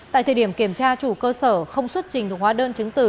tại thời điểm kiểm tra chủ cơ sở không xuất trình thuộc hóa đơn chứng tử